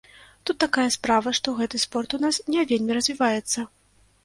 Тут такая справа, што гэты спорт у нас не вельмі развіваецца.